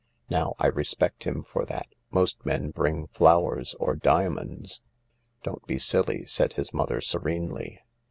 Now I respect him for that— most men bring flowers or diamonds." " Don't be silly," said his mother serenely.